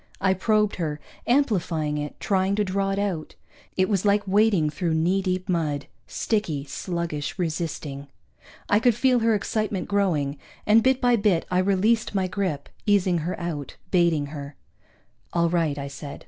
I probed her, amplifying it, trying to draw it out. It was like wading through knee deep mud sticky, sluggish, resisting. I could feel her excitement growing, and bit by bit I released my grip, easing her out, baiting her. "All right," I said.